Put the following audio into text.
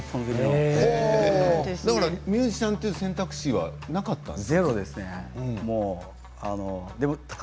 ミュージシャンという選択肢はなかったんですか？